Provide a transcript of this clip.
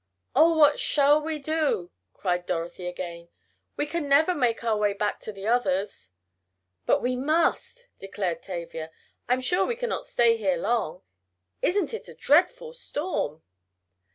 "Oh! What shall we do?" cried Dorothy again. "We can never make our way back to the others." "But we must," declared Tavia. "I'm sure we cannot stay here long. Isn't it a dreadful storm?"